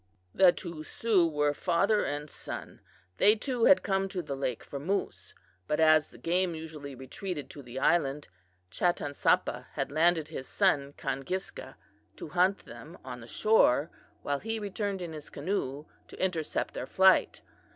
"The two Sioux were father and son. They too had come to the lake for moose; but as the game usually retreated to the island, Chatansapa had landed his son Kangiska to hunt them on the shore while he returned in his canoe to intercept their flight.